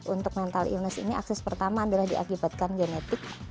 untuk mental illness ini aksis pertama adalah diakibatkan genetik